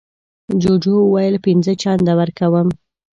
جوجو وویل پینځه چنده ورکوم.